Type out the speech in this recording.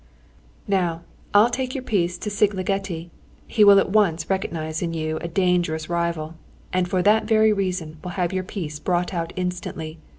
"Now, I'll take your piece to Szigligeti. He will at once recognise in you a dangerous rival, and for that very reason will have your piece brought out instantly.